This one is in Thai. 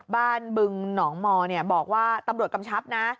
บ้านบึงหนองมอเนี่ยบอกว่าตำรวจกำชับนะ